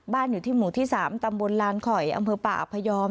อยู่ที่หมู่ที่๓ตำบลลานข่อยอำเภอป่าอพยอม